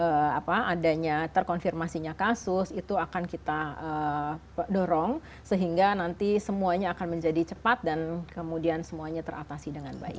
kemudian terkonfirmasinya kasus itu akan kita dorong sehingga nanti semuanya akan menjadi cepat dan kemudian semuanya teratasi dengan baik